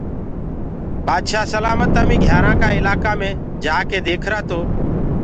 بآدشآه سلآمت هميٚنٚ گھيآرآنٚ ڪآ الآڪآ مي جآڪي ديکرآ تو